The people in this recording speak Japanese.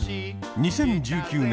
２０１９年